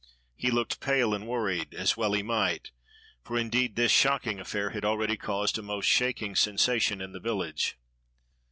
He looked pale and worried, as well he might, for indeed this shocking affair had already caused a most shaking sensation in the village.